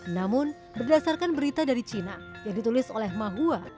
namun berdasarkan berita dari cina yang ditulis oleh mahua